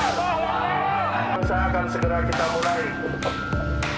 saya akan segera kita mulai